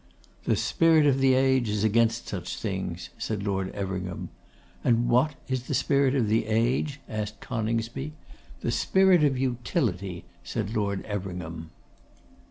'The Spirit of the Age is against such things,' said Lord Everingham. 'And what is the Spirit of the Age?' asked Coningsby. 'The Spirit of Utility,' said Lord Everingham.